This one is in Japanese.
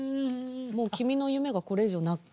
もう君の夢がこれ以上ない。